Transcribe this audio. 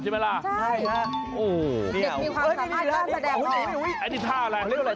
ใช่ค่ะโอ้โฮ